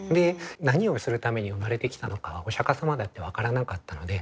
何をするために生まれてきたのかはお釈様だって分からなかったので。